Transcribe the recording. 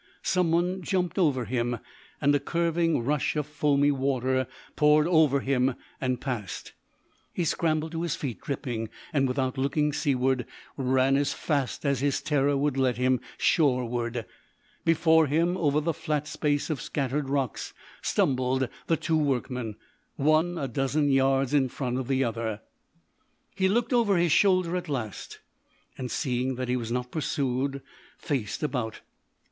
Someone jumped over him, and a curving rush of foamy water poured over him, and passed. He scrambled to his feet dripping, and, without looking seaward, ran as fast as his terror would let him shoreward. Before him, over the flat space of scattered rocks, stumbled the two workmen one a dozen yards in front of the other. He looked over his shoulder at last, and, seeing that he was not pursued, faced about.